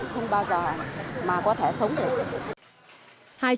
không bao giờ mà có thể sống được